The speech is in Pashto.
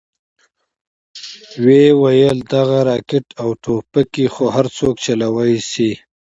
ويې ويل دغه راکټ او ټوپکې خو هرسوک چلوې شي.